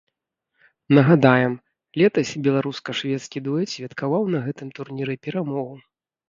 Нагадаем, летась беларуска-шведскі дуэт святкаваў на гэтым турніры перамогу.